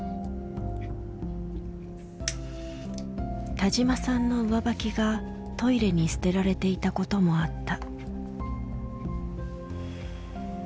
田嶋さんの上履きがトイレに捨てられていたこともあった。